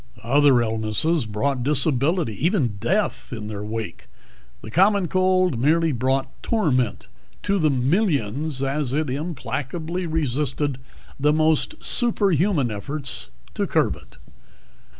Other illnesses brought disability, even death in their wake; the common cold merely brought torment to the millions as it implacably resisted the most superhuman of efforts to curb it.